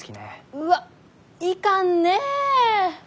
・うわっいかんねえ！